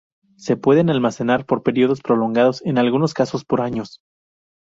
Se pueden almacenar por períodos prolongados, en algunos casos por años.